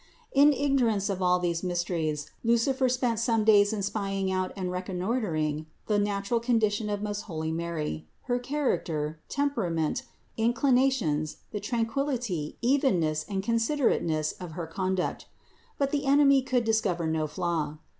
330. In ignorance of all these mysteries Lucifer spent some days in spying out and reconnoitering the natural condition of most holy Mary, her character, temperament, inclinations, the tranquillity, evenness and considerateness of her conduct; but the enemy could discover no flaw.